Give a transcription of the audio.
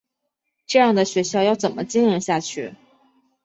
这样的学校要怎么经营下去？